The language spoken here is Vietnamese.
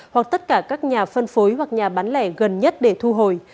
hoặc tất cả các nhà phân phối hoặc nhà bán lẻ gần nhất để thu hồi